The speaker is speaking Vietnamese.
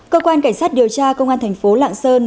cơ quan cảnh sát điều tra công an thành phố lạng sơn